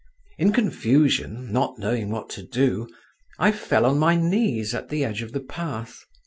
In confusion, not knowing what to do, I fell on my knees at the edge of the path.